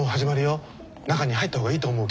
中に入った方がいいと思うけど。